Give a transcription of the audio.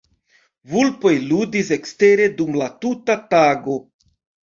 Vulpoj ludis ekstere dum la tuta tago.